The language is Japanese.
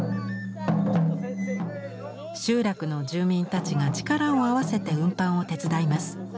集落の住民たちが力を合わせて運搬を手伝います。